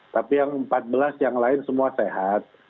tapi yang empat belas yang lain semua sehat